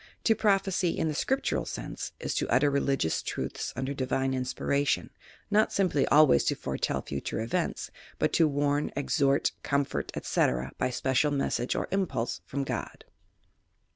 To prophesy in the scriptural sense is to utter religious truths under divine inspiration, not simply al ways to foretell future events, but to warn, exhort, com fort, etc., by special message or impulse from God."